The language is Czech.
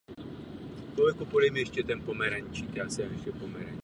Rostliny tohoto rodu bývají jednoleté nebo vytrvalé.